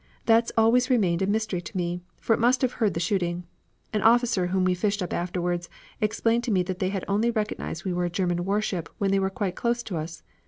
That's always remained a mystery to me, for it must have heard the shooting. An officer whom we fished up afterward explained to me that they had only recognized we were a German warship when they were quite close to us.